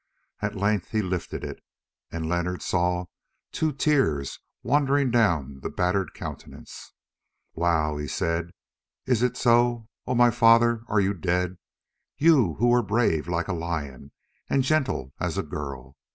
At length he lifted it, and Leonard saw two tears wandering down the battered countenance. "Wow," he said, "is it so? Oh! my father, are you dead, you who were brave like a lion and gentle as a girl?